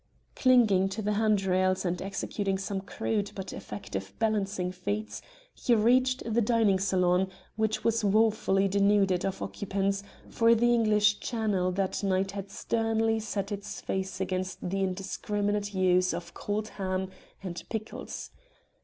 Clinging to the hand rails and executing some crude but effective balancing feats, he reached the dining saloon, which was woefully denuded of occupants, for the English Channel that night had sternly set its face against the indiscriminate use of cold ham and pickles.